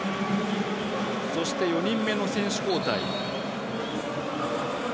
そして４人目の選手交代。